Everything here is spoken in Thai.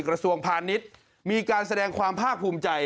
กระทรวงพาณิชย์มีการแสดงความภาคภูมิใจ